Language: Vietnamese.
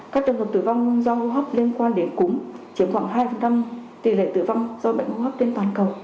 các trường hợp tử vong do hô hấp liên quan đến cúm chiếm khoảng hai tỷ lệ tử vong do bệnh hô hấp trên toàn cầu